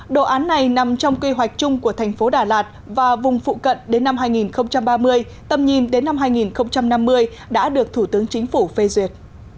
đồ án này nằm trong quy hoạch chung của thành phố đà lạt và vùng phụ cận đến năm hai nghìn ba mươi tầm nhìn đến năm hai nghìn năm mươi đã được thủ tướng chính phủ phê duyệt